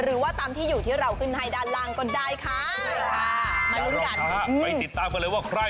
หรือว่าตามที่อยู่ที่เราขึ้นให้ด้านล่างก็ได้ค่ะ